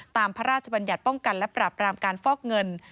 พระราชบัญญัติป้องกันและปราบรามการฟอกเงิน